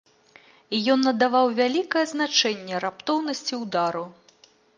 І ён надаваў вялікае значэнне раптоўнасці ўдару.